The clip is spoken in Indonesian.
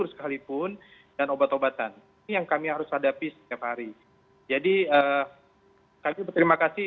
sekalipun dan obat obatan ini yang kami harus hadapi setiap hari jadi kami berterima kasih